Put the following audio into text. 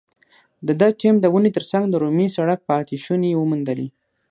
د ده ټیم د ونې تر څنګ د رومي سړک پاتې شونې وموندلې.